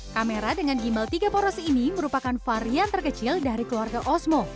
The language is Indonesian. kamera dengan gimbal tiga poros ini merupakan varian terkecil dari keluarga osmo